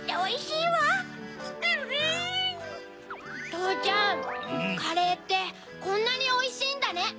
とうちゃんカレーってこんなにおいしいんだね。